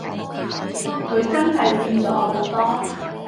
佢真係變咗好多